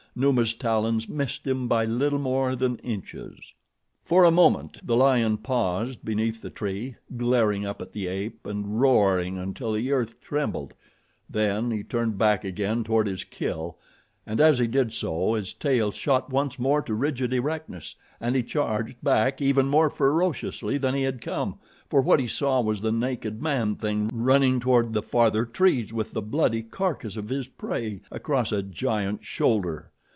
Numa's talons missed him by little more than inches. For a moment the lion paused beneath the tree, glaring up at the ape and roaring until the earth trembled, then he turned back again toward his kill, and as he did so, his tail shot once more to rigid erectness and he charged back even more ferociously than he had come, for what he saw was the naked man thing running toward the farther trees with the bloody carcass of his prey across a giant shoulder.